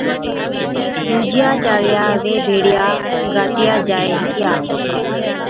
ڏوجِيا چاڙيا وي ڀيڙِيا گاتِيا جائي ھِتيا